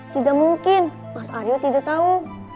tidak mungkin mas aryo tidak tahu